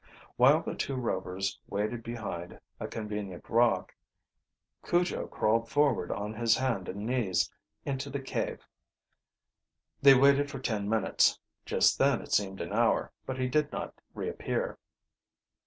While the two Rovers waited behind a convenient rock, Cujo crawled forward on his hand and knees into the cave. They waited for ten minutes, just then it seemed an hour, but he did not reappear.